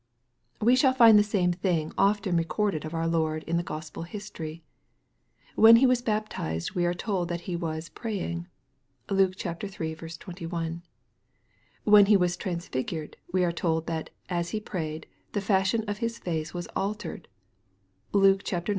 We shall find the same thing often recorded of our Lord in the Gospel history. When He was baptized, we are told that He was " praying." (Luke iii. 21.) When He was transfigured, we are told, that " as He prayed, the fashion of His face was altered." (Luke ix.